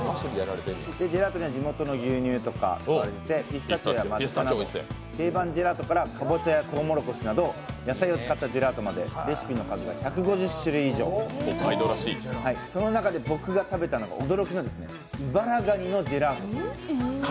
ジェラートには地元の牛乳とかが使われて、ピスタチオやかぼちゃやとうもろこしなど野菜を使ったジェラートまでレシピの数が１５０種類以上その中で僕が食べたのが驚きのイバラガニのジェラート。